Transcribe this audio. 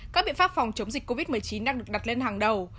các biện pháp phòng chống dịch covid một mươi chín đang được đặt lên hàng đầu